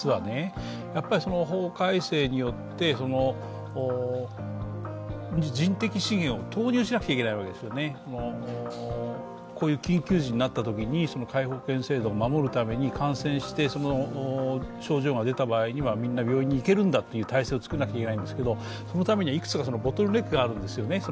やっぱり法改正によって、人的資源を投入しなきゃいけないわけですよね、こういう緊急時になったときに皆保険制度を守るために感染して症状が出た場合にはみんな病院に行けるという体制を作らなきゃいけないわけですが、そのためにはいくつかボトルネックがあるんですよね。